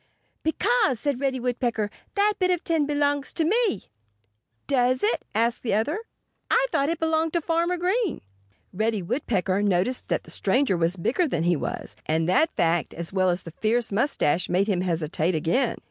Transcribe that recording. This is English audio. "Because," said Reddy Woodpecker, "that bit of tin belongs to me." "Does it?" asked the other. "I thought it belonged to Farmer Green." Reddy Woodpecker noticed that the stranger was bigger than he was. And that fact, as well as the fierce mustache, made him hesitate again.